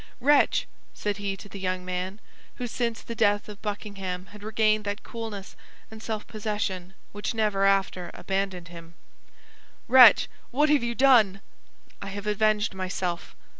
"Wretch!" said he to the young man, who since the death of Buckingham had regained that coolness and self possession which never after abandoned him, "wretch! what have you done?" "I have avenged myself!"